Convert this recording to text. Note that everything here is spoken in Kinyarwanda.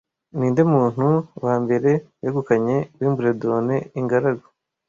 Ninde muntu wa mbere wegukanye Wimbledon ingaragu